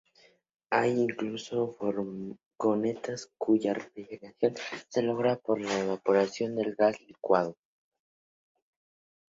Hay incluso furgonetas cuya refrigeración se logra por la evaporación del gas licuado.